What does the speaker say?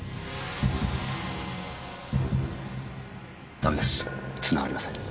ダメですつながりません。